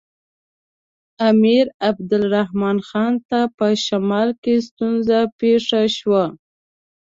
امیر عبدالرحمن خان ته په شمال کې ستونزه پېښه شوه.